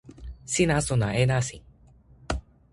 sina sona e nasin.